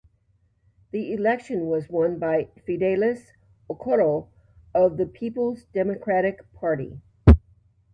The election was won by Fidelis Okoro of the Peoples Democratic Party.